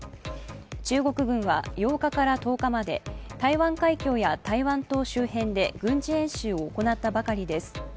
中国軍は８日から１０日まで台湾海峡や台湾島周辺で軍事演習を行ったばかりです。